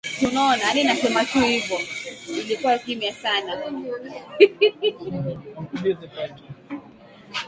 dhidi ya waasi wa kiislamu mashariki mwa Kongo msemaji wa operesheni hiyo alisema